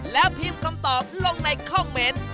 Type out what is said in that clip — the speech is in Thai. แล้วพิมพ์คำตอบลงในคอมเมนต์